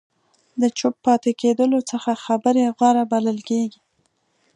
د چوپ پاتې کېدلو څخه خبرې غوره بلل کېږي.